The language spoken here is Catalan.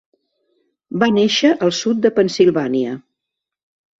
Va néixer al sud de Pennsilvània.